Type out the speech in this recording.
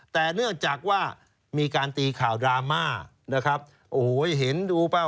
แต่เนื่องจากว่ามีการตีข่าวดราม่านะครับโอ้โหเห็นดูเปล่า